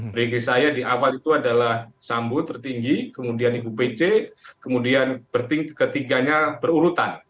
prediksi saya di awal itu adalah sambut tertinggi kemudian ipupc kemudian bertingkat ketiganya berurutan